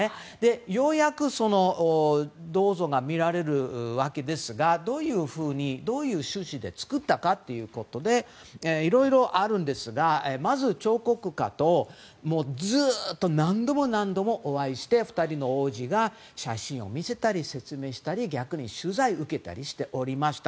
ようやく銅像が見られるわけですがどういう趣旨で作ったかということでいろいろあるんですがまずは、彫刻家とずっと何度も何度もお会いして２人の王子が写真を見せたり説明したり、逆に取材を受けたりしていました。